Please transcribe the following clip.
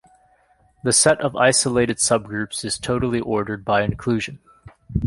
The set of isolated subgroups is totally ordered by inclusion.